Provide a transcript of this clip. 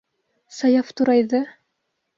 Саяф турайҙы: